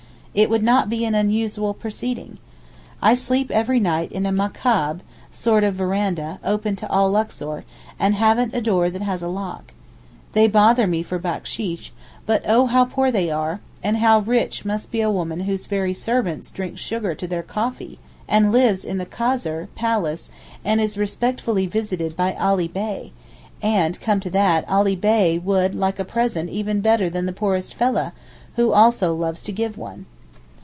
It would not be an unusual proceeding. I sleep every night in a makaab (sort of verandah) open to all Luxor, and haven't a door that has a lock. They bother me for backsheesh; but oh how poor they are, and how rich must be a woman whose very servants drink sugar to their coffee! and who lives in the Kasr (palace) and is respectfully visited by Ali Bey—and, come to that, Ali Bey would like a present even better than the poorest fellah, who also loves to give one.